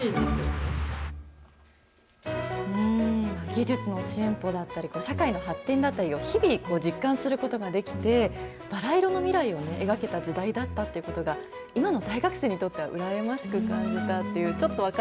技術の進歩だったり、社会の発展だったりを日々、実感することができて、バラ色の未来を描けた時代だったということが、今の大学生にとっては羨ましく感じたっていう、